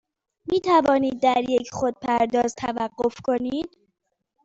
می توانید در یک خودپرداز توقف کنید؟